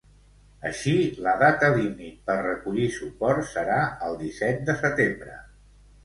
Així, la data límit per recollir suports serà el disset de setembre.